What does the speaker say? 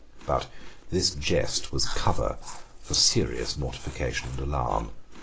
But this jest was a cover for serious mortification and alarm.